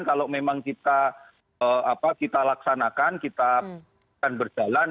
kalau memang kita laksanakan kita akan berjalan